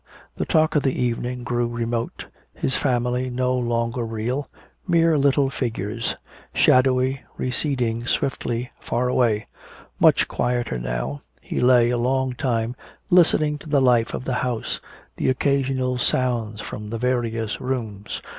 The talk of the evening grew remote, his family no longer real, mere little figures, shadowy, receding swiftly far away.... Much quieter now, he lay a long time listening to the life of the house, the occasional sounds from the various rooms.